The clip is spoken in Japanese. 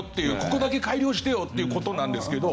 ここだけ改良してよっていう事なんですけど。